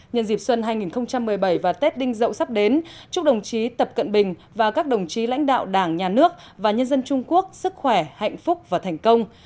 nhân dịp xuân hai nghìn một mươi bảy và tết đinh dậu sắp đến chúc đồng chí tập cận bình và các đồng chí lãnh đạo đảng nhà nước và nhân dân trung quốc sức khỏe hạnh phúc và thành công